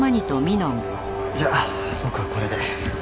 じゃあ僕はこれで。